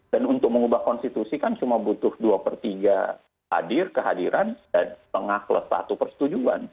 dan untuk mengubah konstitusi kan cuma butuh dua per tiga hadir kehadiran dan pengakles satu persetujuan